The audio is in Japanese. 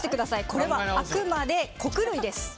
これはあくまで穀類です。